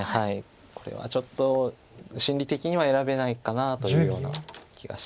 これはちょっと心理的には選べないかなというような気がします。